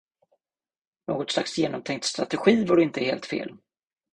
Något slags genomtänkt strategi vore inte helt fel.